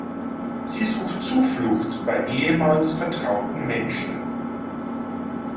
Sie sucht Zuflucht bei ehemals vertrauten Menschen.